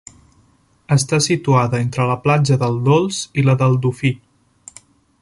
Està situada entre la platja del Dolç i la del Dofí.